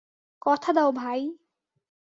কথা দাও ভাই।